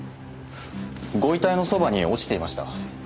ご遺体のそばに落ちていました。